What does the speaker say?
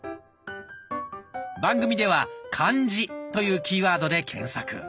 番組では「漢字」というキーワードで検索。